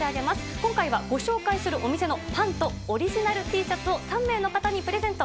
今回はご紹介するお店のパンとオリジナルＴシャツを３名の方にプレゼント。